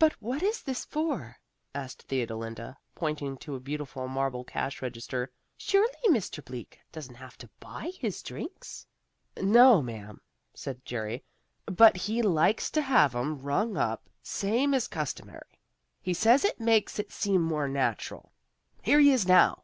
"But what is this for?" asked Theodolinda, pointing to a beautiful marble cash register. "Surely Mr. Bleak doesn't have to BUY his drinks?" "No, ma'am," said Jerry, "but he likes to have 'em rung up same as customary. He says it makes it seem more natural. Here he is now!"